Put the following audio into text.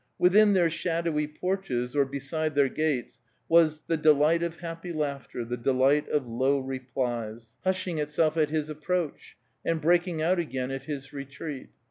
Within their shadowy porches, or beside their gates, was "The delight of happy laughter, The delight of low replies," hushing itself at his approach, and breaking out again at his retreat.